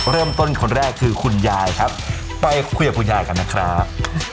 เริ่มต้นคนแรกคือคุณยายครับไปคุยกับคุณยายกันนะครับ